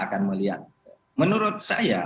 akan melihat menurut saya